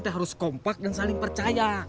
kita harus kompak dan saling percaya